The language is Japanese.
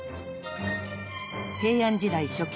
［平安時代初期。